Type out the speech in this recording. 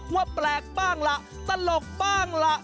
ว่าแปลกบ้างล่ะตลกบ้างล่ะ